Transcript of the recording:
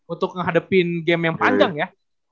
untuk menghadapi game yang panjang ya